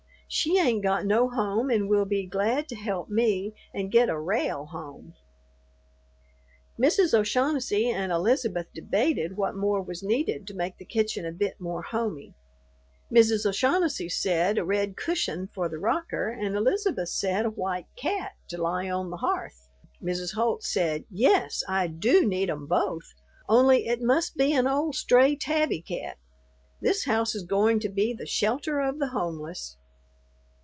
She ain't got no home and will be glad to help me and get a rale home." Mrs. O'Shaughnessy and Elizabeth debated what more was needed to make the kitchen a bit more homey. Mrs. O'Shaughnessy said a red cushion for the rocker, and Elizabeth said a white cat to lie on the hearth. Mrs. Holt said, "Yes, I do need 'em both, only it must be an old stray tabby cat. This house is going to be the shelter of the homeless."